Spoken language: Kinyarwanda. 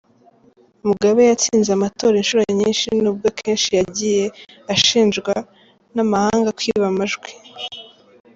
Mugabe yatsinze amatora inshuro nyinshi, nubwo akenshi yagiye ashinjwa n’amahanga kwiba amajwi.